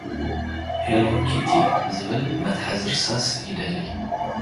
'ሄሎ ኪቲ' ዚብል መትሓዝ ርሳስ ይደሊ።